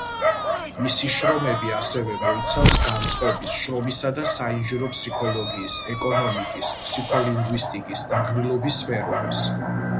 მისი შრომები ასევე მოიცავს განწყობის, შრომისა და საინჟინრო ფსიქოლოგიის, ეკონომიკის, ფსიქოლინგვისტიკის, დაღლილობის სფეროებს.